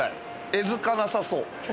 えずかなさそう。